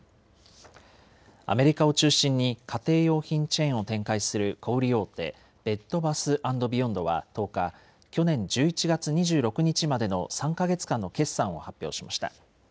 アメリカを中心に家庭用品チェーンを展開する小売り大手、ベッド・バス・アンド・ビヨンドは１０日、去年１１月２６日までの３か月間の決算を発表しました。